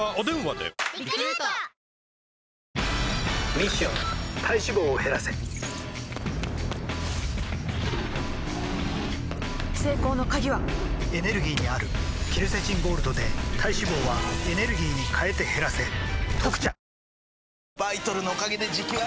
ミッション体脂肪を減らせ成功の鍵はエネルギーにあるケルセチンゴールドで体脂肪はエネルギーに変えて減らせ「特茶」